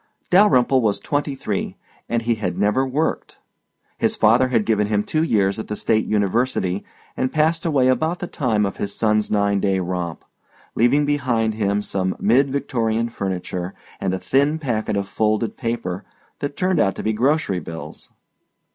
Dalyrimple was twenty three and he had never worked. His father had given him two years at the State University and passed away about the time of his son's nine day romp, leaving behind him some mid Victorian furniture and a thin packet of folded paper that turned out to be grocery bills.